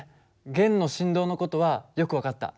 弦の振動の事はよく分かった。